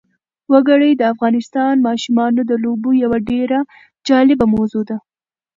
وګړي د افغان ماشومانو د لوبو یوه ډېره جالبه موضوع ده.